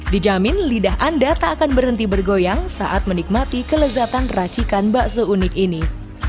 dijamin lidah anda tak akan berhenti bergoyang saat menikmati kelezatan racikan bakso unik ini